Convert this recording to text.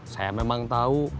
saya memang tau